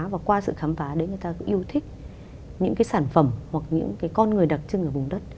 và qua sự khám phá để người ta yêu thích những sản phẩm hoặc những con người đặc trưng ở vùng đất